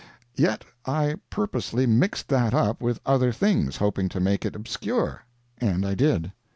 Yet I purposely mixed that up with other things, hoping to make it obscure and I did.